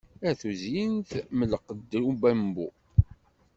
A tuzyint mm lqedd ubabmbu!